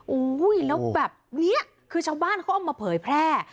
อุ้ยแล้วแบบนี้คือชาวบ้านเขาเอามาเผยแพร่